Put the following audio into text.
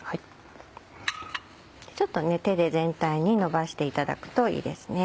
ちょっとね手で全体にのばしていただくといいですね。